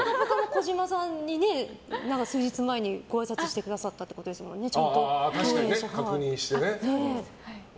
児嶋さんに数日前にごあいさつしてくださったって共演者確認してね。